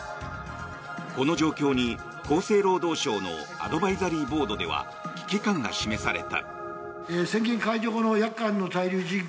この状況に厚生労働省のアドバイザリーボードでは危機感が示された。